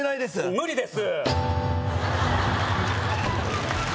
無理です